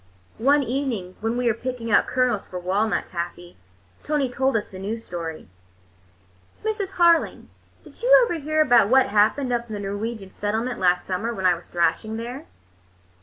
One evening when we were picking out kernels for walnut taffy, Tony told us a new story. "Mrs. Harling, did you ever hear about what happened up in the Norwegian settlement last summer, when I was thrashing there?